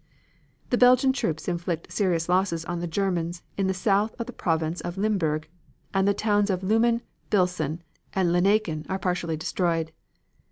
"The Belgian troops inflicted serious losses on the Germans in the South of the Province of Limbourg, and the towns of Lummen, Bilsen, and Lanaeken are partially destroyed.